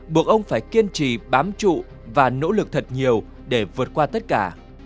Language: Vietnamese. buộc ông phải kiên trì bám trụ và nỗ lực thật nhiều để vượt qua tất cả